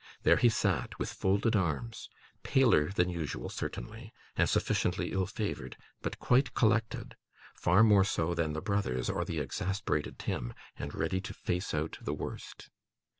There he sat, with folded arms; paler than usual, certainly, and sufficiently ill favoured, but quite collected far more so than the brothers or the exasperated Tim and ready to face out the worst.